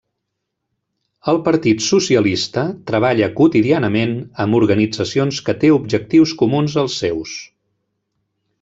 El Partit Socialista treballa quotidianament amb organitzacions que té objectius comuns als seus.